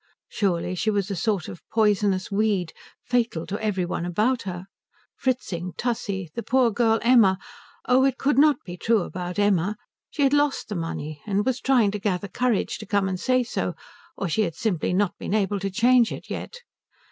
Surely she was a sort of poisonous weed, fatal to every one about her? Fritzing, Tussie, the poor girl Emma oh, it could not be true about Emma. She had lost the money, and was trying to gather courage to come and say so; or she had simply not been able to change it yet.